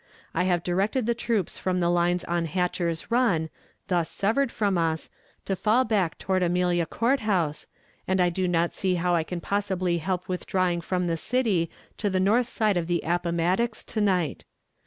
I have directed the troops from the lines on Hatcher's Run, thus severed from us, to fall back toward Amelia Court House, and I do not see how I can possibly help withdrawing from the city to the north side of the Appomattox to night.